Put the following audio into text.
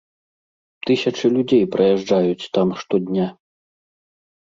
Тысячы людзей праязджаюць там штодня.